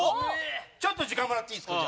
ちょっと時間もらっていいですか？